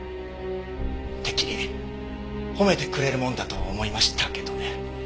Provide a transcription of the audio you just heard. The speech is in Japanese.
てっきり褒めてくれるもんだと思いましたけどね。